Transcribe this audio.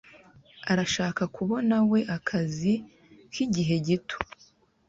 arashaka kubonawe akazi k'igihe gito.